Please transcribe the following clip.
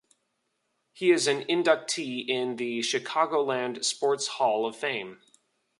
He is an inductee in the Chicagoland Sports Hall of Fame.